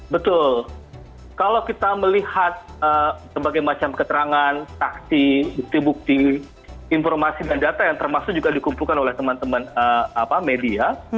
betul kalau kita melihat berbagai macam keterangan saksi bukti bukti informasi dan data yang termasuk juga dikumpulkan oleh teman teman media